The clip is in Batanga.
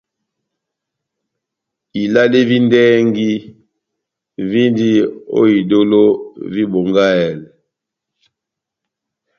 Ilale vi ndɛhɛgi víndi ó idólo vi Bongahɛlɛ.